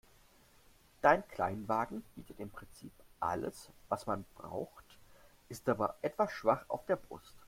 Dein Kleinwagen bietet im Prinzip alles, was man braucht, ist aber etwas schwach auf der Brust.